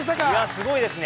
すごいですね。